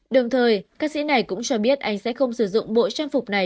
đồng thời ca sĩ này cũng cho biết anh sẽ không sử dụng bộ trang phục này